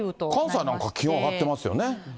関西なんか気温上がってますよね。